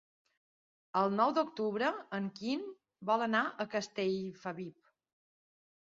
El nou d'octubre en Quim vol anar a Castellfabib.